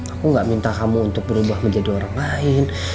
aku gak minta kamu untuk berubah menjadi orang lain